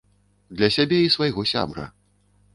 Для сябе і свайго сябра.